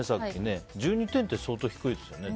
１２点って相当低いですね。